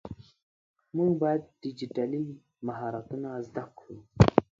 مونږ باید ډيجيټلي مهارتونه زده کړو.